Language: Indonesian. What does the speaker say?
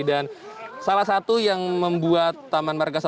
dan salah satu yang membuat taman marikana